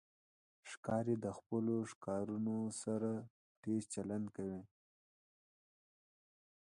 ښکاري د خپلو ښکارونو سره تیز چلند کوي.